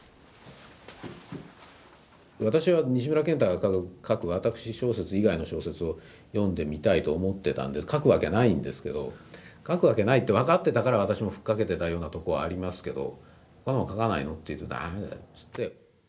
私は西村賢太が書く私小説以外の小説を読んでみたいと思ってたんで書くわけないんですけど書くわけないって分かってたから私もふっかけてたようなとこはありますけど。